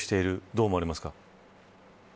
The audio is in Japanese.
どう思われますか。